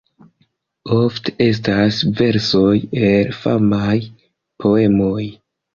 Ofte estas versoj el famaj poemoj.